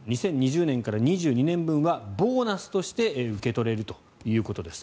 ２０２０年から２０２２年分はボーナスとして受け取れるということです。